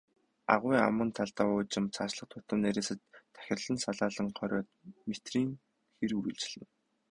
Агуй аман талдаа уужим, цаашлах тутам нарийсаж тахирлан салаалан, хориод метрийн хэр үргэлжилнэ.